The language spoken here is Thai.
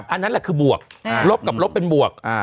อันนั้นแหละคือบวกลบกับลบเป็นบวก